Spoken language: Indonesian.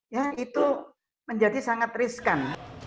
ya itu menjadi sangat riskan